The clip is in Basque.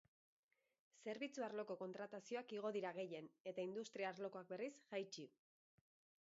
Zerbitzu arloko kontratazioak igo dira gehien eta industria arlokoak berriz jaitsi.